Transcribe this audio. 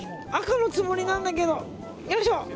赤のつもりなんだけどよいしょ！